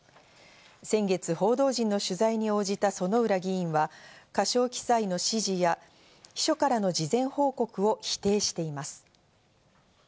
先月、報道陣の取材に応じた薗浦議員は過少記載の指示や秘書からの事前報告を否定しています。